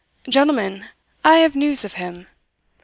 "Gentlemen, I have news of him.